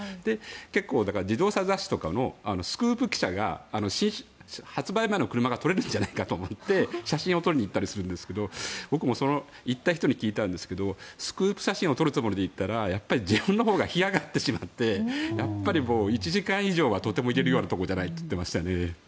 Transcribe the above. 結構、自動車雑誌とかのスクープ記者が発売前の車が撮れるんじゃないかと思って写真を撮りに行ったりするんですが僕も行った人に聞いたんですがスクープ写真を撮るつもりで行ったら自分のほうが干上がってしまって１時間以上はとても行けるようなところではないと言っていましたね。